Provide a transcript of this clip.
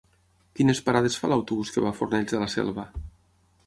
Quines parades fa l'autobús que va a Fornells de la Selva?